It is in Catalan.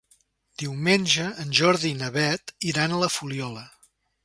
Diumenge en Jordi i na Beth iran a la Fuliola.